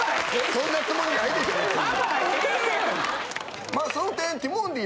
そんなつもりないでしょ別に。